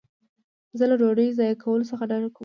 زه له ډوډۍ ضایع کولو څخه ډډه کوم.